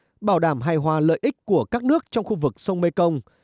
hai bên tiếp tục tăng cường hài hòa lợi ích của các nước trong khu vực sông mekong